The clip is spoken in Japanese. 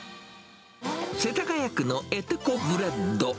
世田谷区のエテコブレッド。